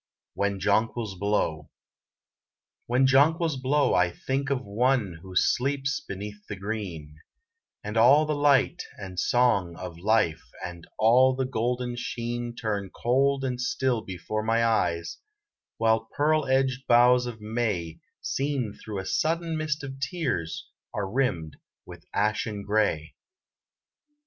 WHEN JONQUILS BLOW When jonquils blow I think of one Who sleeps beneath the green; And all the light and song of life And all the golden sheen Turn cold and still before my eyes, While pearl edged boughs of May Seen through a sudden mist of tears Are rimmed with ashen gray.